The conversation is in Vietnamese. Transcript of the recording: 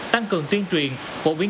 tăng cường tuyên truyền phổ biến